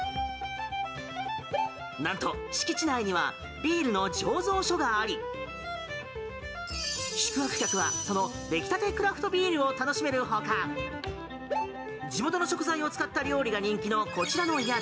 なんと敷地内にはビールの醸造所があり宿泊客はその出来たてクラフトビールを楽しめるほか地元の食材を使った料理が人気のこちらの宿。